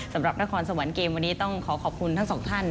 สำหรับนครสวรรค์เกมวันนี้ต้องขอขอบคุณทั้งสองท่าน